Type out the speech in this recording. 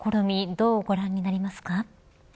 どうご覧になりますか。